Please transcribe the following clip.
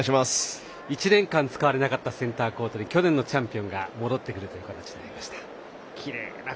１年間使われなかったセンターコートに去年のチャンピオンが戻ってくるという形になりました。